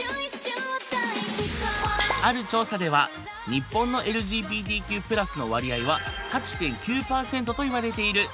日本のＬＧＢＴＱ＋の割合は８．９％といわれている。